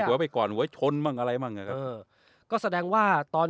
หัวไปก่อนไว้ชนมั่งอะไรมั่งก็แสดงว่าตอน